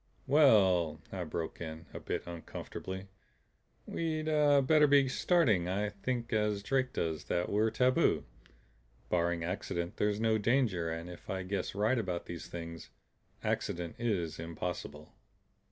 "Well," I broke in, a bit uncomfortably, "we'd better be starting. I think as Drake does, that we're tabu. Barring accident there's no danger. And if I guess right about these Things, accident is impossible."